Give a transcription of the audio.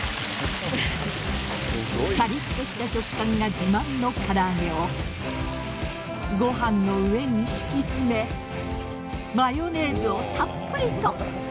カリッとした食感が自慢の唐揚げをご飯の上に敷き詰めマヨネーズをたっぷりと。